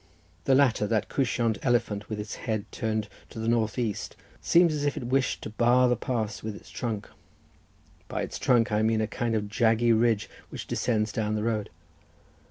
The latter, that couchant elephant with its head turned to the north east, seems as if it wished to bar the pass with its trunk; by its trunk I mean a kind of jaggy ridge which descends down to the road.